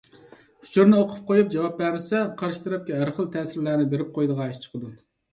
ئۇچۇرنى ئوقۇپ قويۇپ جاۋاب بەرمىسە، قارشى تەرەپكە ھەر خىل تەسىرلەرنى بېرىپ قويىدىغان ئىش چىقىدۇ.